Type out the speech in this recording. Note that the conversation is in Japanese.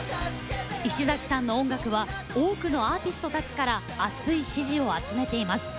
石崎さんの音楽は多くのアーティストたちから厚い支持を集めています。